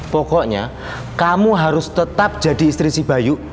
pokoknya kamu harus tetap jadi istri si bayu